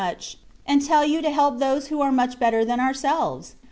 11 nmch, and tell you to help those who are much better than ourselves